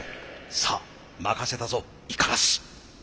さあ任せたぞ五十嵐。